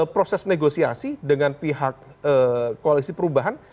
proses negosiasi dengan pihak koalisi perubahan